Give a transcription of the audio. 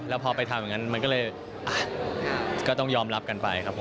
แล้วพอไปทำอย่างนั้นมันก็เลยก็ต้องยอมรับกันไปครับผม